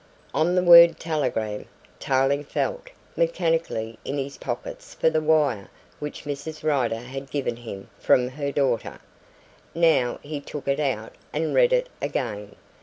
On the word "telegram" Tarling felt mechanically in his pockets for the wire which Mrs. Rider had given him from her daughter. Now he took it out and read it again.